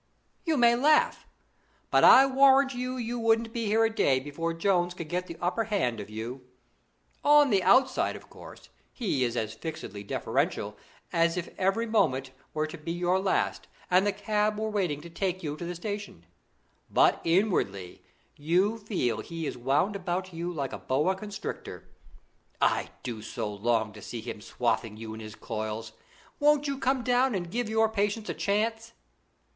"You may laugh, but I warrant you wouldn't be here a day before Jones would get the upper hand of you. On the outside, of course, he is as fixedly deferential as if every moment were to be your last, and the cab were waiting to take you to the Station; but inwardly, you feel he is wound about you like a boa constrictor. I do so long to see him swathing you in his coils! Won't you come down, and give your patients a chance?"